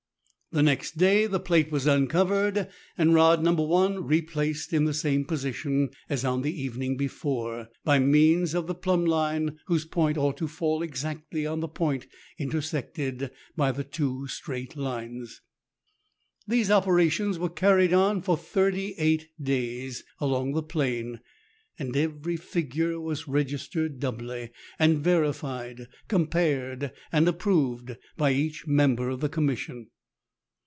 The next day, the plate was uncovered, and rod " No. i " replaced in the same position as on the evening before, by means of the plumb line, whose point ought to fall exactly on the point intersected by the two straight lines. These operations were carried on for thirty eight days along the plain, and every figure was registered doubly, and verified, compared, and approved, by each member of the Commission.